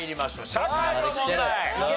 社会の問題。